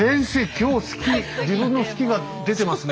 今日好き自分の好きが出てますね。